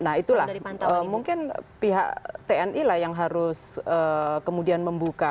nah itulah mungkin pihak tni lah yang harus kemudian membuka